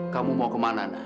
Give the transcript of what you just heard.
kamu mau kemana nak